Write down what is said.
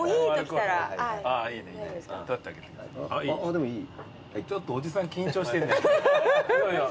でもいい。